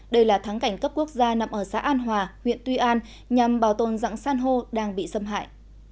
đây là thắng cảnh cấp quốc gia nằm ở xã an hòa huyện tuy an nhằm bảo tồn dạng san hô đang bị xâm hại